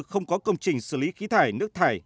không có công trình xử lý khí thải nước thải